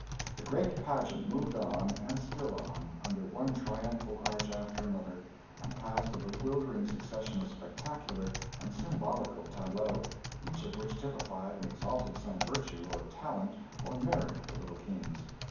The great pageant moved on, and still on, under one triumphal arch after another, and past a bewildering succession of spectacular and symbolical tableaux, each of which typified and exalted some virtue, or talent, or merit, of the little King's.